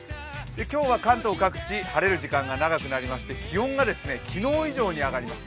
今日は関東各地晴れるところが多くなって気温が昨日以上に上がります。